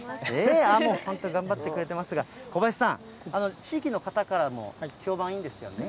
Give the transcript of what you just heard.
もう本当、頑張ってくれてますが、小林さん、地域の方からも評判いいんですよね。